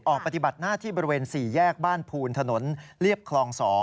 ปฏิบัติหน้าที่บริเวณ๔แยกบ้านภูนถนนเรียบคลอง๒